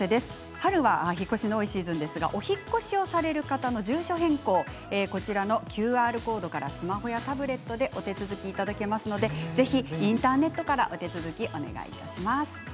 春は引っ越しの多いシーズンですがお引っ越しをされる方の住所変更、ＱＲコードからスマホやタブレットでお手続きいただけますのでインターネットからお手続きをお願いします。